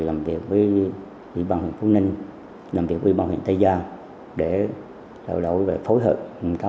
làm việc với nhưng b concern lập những quy bằng người tây giang để chạy đó về phối th attends